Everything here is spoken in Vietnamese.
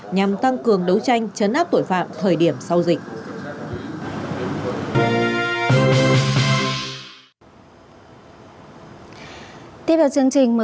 nhằm tăng cường đấu tranh chấn áp tội phạm thời điểm sau dịch